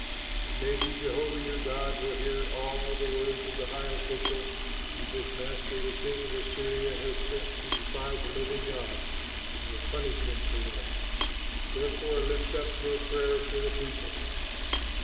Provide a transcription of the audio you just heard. It may be Jehovah your God will hear all the words of the high official, whom his master, the king of Assyria, has sent to defy the living God, and will punish him for them; therefore lift up your prayer for the people."